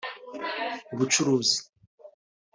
ubucuzi